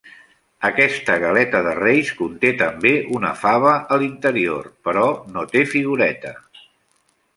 Aquesta galeta de reis conté també una fava a l'interior, però no té figureta.